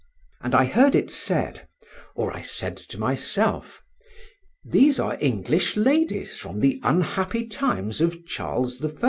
And I heard it said, or I said to myself, "These are English ladies from the unhappy times of Charles I.